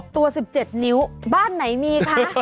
ตัว๑๗นิ้วบ้านไหนมีคะ